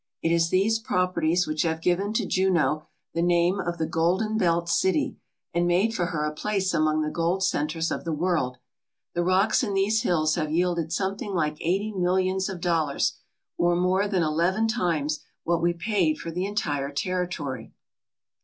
It is these prop erties which have given to Juneau the name of the Golden Belt City and made for her a place among the gold centres of the world. The rocks in these hills have yielded some thing like eighty millions of dollars, or more than eleven times what we paid for the entire territory.